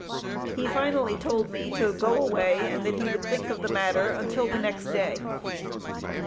He finally told me to go away, and that he would think of the matter until the next day.